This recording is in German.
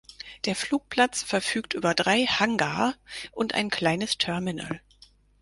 Der Flugplatz verfügt über drei Hangar und ein kleines Terminal.